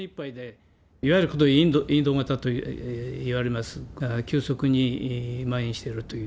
いわゆるこのインド型といわれます、急速にまん延しているという。